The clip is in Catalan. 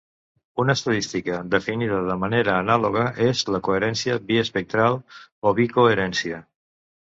Una estadística definida de manera anàloga és la "coherència biespectral" o "bicoherencia".